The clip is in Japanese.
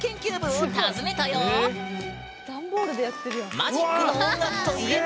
マジックの音楽といえば。